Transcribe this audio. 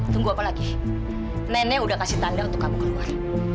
tunggu apa lagi nenek udah kasih tanda untuk kamu keluar